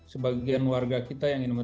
sebagian warga kita yang